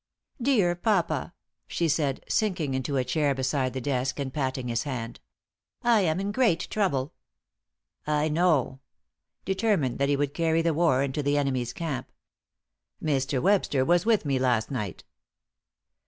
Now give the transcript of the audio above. "Dear papa," she said, sinking into a chair beside the desk and patting his hand. "I am in great trouble." "I know," determined that he would carry the war into the enemy's camp. "Mr. Webster was with me last night."